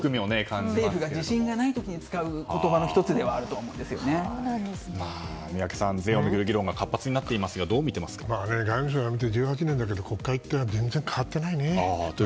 政府が自信のない時に使う宮家さん、税を巡る議論が活発になっていますが外務省を辞めて１８年だけど国会は全然変わってないね。